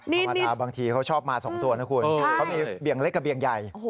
บางทีเขาชอบมา๒ตัวนะคุณเขามีเบี่ยงเล็กกับเบี่ยงใหญ่